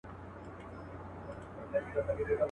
د لېوه له خولې به ولاړ سمه قصاب ته.